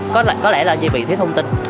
có lẽ là chỉ vì thiết thông tin